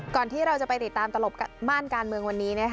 ที่เราจะไปติดตามตลบม่านการเมืองวันนี้